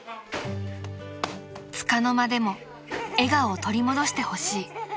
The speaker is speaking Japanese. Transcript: ［つかの間でも笑顔を取り戻してほしい］